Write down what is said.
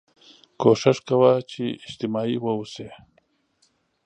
کوښښ کوه چې اجتماعي واوسې